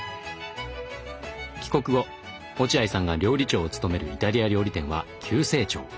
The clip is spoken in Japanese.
帰国後落合さんが料理長を務めるイタリア料理店は急成長。